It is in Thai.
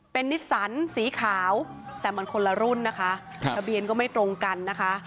เป็นนิสสันสีขาวแต่มันคนละรุ่นนะคะทะเบียนก็ไม่ตรงกันนะคะ